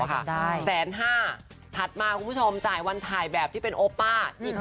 ค่ะ๑๕๐๐๐๐บาทถัดมาคุณผู้ชมจ่ายวันถ่ายแบบที่เป็นโอป้าอีก